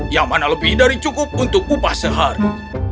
yang mana lebih dari cukup untuk upah sehari